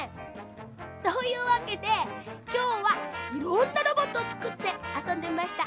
というわけできょうはいろんなロボットをつくってあそんでみました。